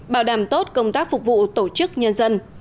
bảo đảm tốt công tác phục vụ tổ chức nhân dân